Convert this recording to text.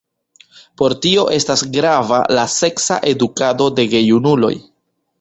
Por tio estas grava la seksa edukado de gejunuloj.